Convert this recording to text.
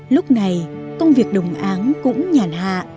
lúc này công việc đồng áng cũng nhàn hạ